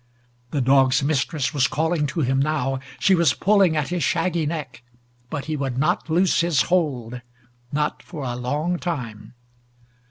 The dog's mistress was calling to him now. She was pulling at his shaggy neck. But he would not loose his hold not for a long time.